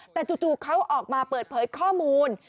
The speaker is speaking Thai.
แต่จู่เขาออกมาเปิดเผยข้อมูล